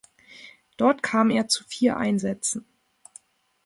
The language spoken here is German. Dort kam er zu vier Einsätzen.